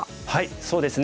そうですね